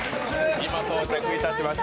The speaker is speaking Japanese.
今、到着いたしました。